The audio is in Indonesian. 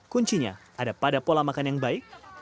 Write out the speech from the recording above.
kuncinya ada pada pola makan yang baik